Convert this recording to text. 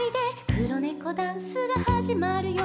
「くろネコダンスがはじまるよ」